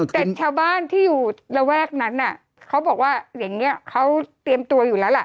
แต่ชาวบ้านที่อยู่ระแวกนั้นเขาบอกว่าอย่างนี้เขาเตรียมตัวอยู่แล้วล่ะ